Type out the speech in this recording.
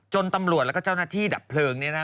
ตำรวจแล้วก็เจ้าหน้าที่ดับเพลิงเนี่ยนะ